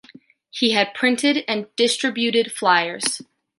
He had printed and distributed flyers.